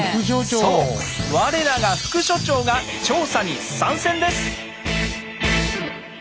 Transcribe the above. そう我らが副所長が調査に参戦です！